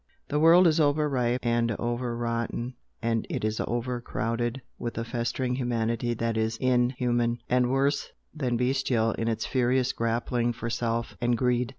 The world is over ripe and over rotten, and it is over crowded with a festering humanity that is INhuman, and worse than bestial in its furious grappling for self and greed.